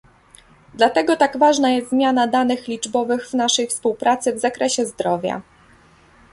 Dlatego tak ważna jest zmiana danych liczbowych w naszej współpracy w zakresie zdrowia